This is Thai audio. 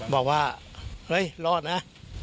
บอกว่าเฮ้ยรอดนะ